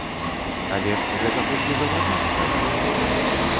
Але ж гэта толькі за ваду паказалі!